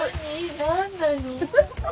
何なの？